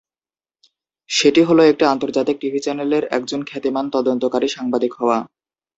সেটি হল একটি আন্তর্জাতিক টিভি চ্যানেলের এক জন খ্যাতিমান তদন্তকারী সাংবাদিক হওয়া।